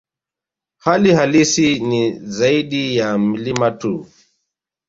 Hali halisi Kilimanjaro ni zaidi ya mlima tu